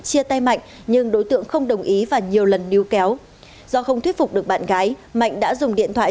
chia tay mạnh nhưng đối tượng không đồng ý và nhiều lần nưu kéo do không thuyết phục được bạn gái mạnh đã dùng điện thoại